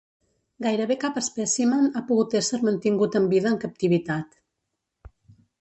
Gairebé cap espècimen ha pogut ésser mantingut amb vida en captivitat.